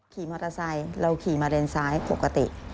ขี่มอเตอร์ไซค์เราขี่มาเลนซ้ายปกติ